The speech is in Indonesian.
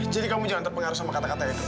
jadi kamu jangan terpengaruh sama kata kata edo